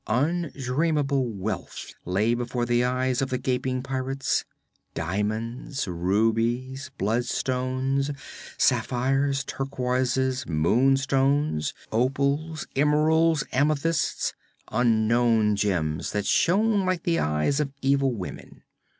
Undreamable wealth lay before the eyes of the gaping pirates; diamonds, rubies, bloodstones, sapphires, turquoises, moonstones, opals, emeralds, amethysts, unknown gems that shone like the eyes of evil women.